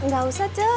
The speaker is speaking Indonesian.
gak usah ce